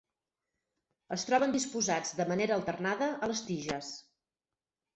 Es troben disposats de manera alternada a les tiges.